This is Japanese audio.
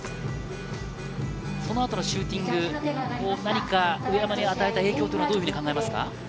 そのあとのシューティング、何か、上山に与えた影響はどういうふうに考えますか？